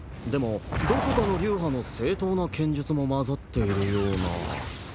でもどこかの流派の正当な剣術も混ざっているような。